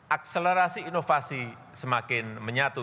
akselerasi inovasi semakin menyatu